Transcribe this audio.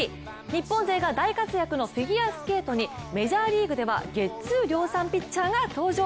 日本勢が大活躍のフィギュアスケートにメジャーリーグではゲッツー量産投手が登場。